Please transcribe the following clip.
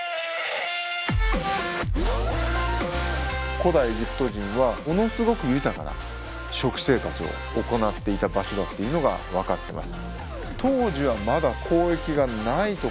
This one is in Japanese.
古代エジプト人はものすごく豊かな食生活を行っていた場所だっていうのが分かってます。